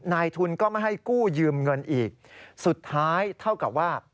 นายทุนก็ไม่ให้กู้ยืมเงินอีกสุดท้ายเท่ากับว่า